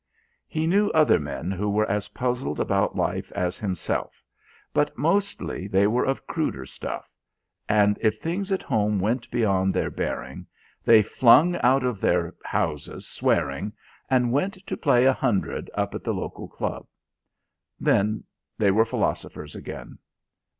He knew other men who were as puzzled about life as himself, but mostly they were of cruder stuff, and if things at home went beyond their bearing they flung out of their houses, swearing, and went to play a hundred up at the local club. Then they were philosophers again.